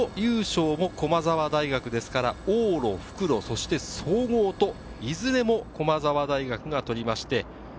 復路優勝も駒澤大学ですから往路復路そして総合と、いずれも駒澤大学が取りました。